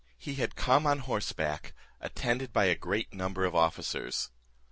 He had come on horseback, attended by a great number of officers.